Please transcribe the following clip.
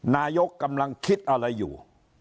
นายกกำลังคิดอะไรอยู่